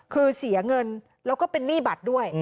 คือเสียเงินแล้วก็เป็นหนี้บัตรด้วย